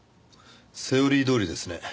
セオリーどおりですね。